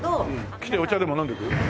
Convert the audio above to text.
来てお茶でも飲んでいく？